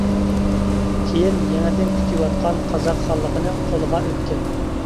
كېيىن يېڭىدىن كۈچىيىۋاتقان قازاق خانلىقىنىڭ قولىغا ئۆتكەن.